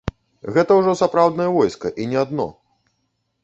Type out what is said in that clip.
Гэта ўжо сапраўднае войска і не адно.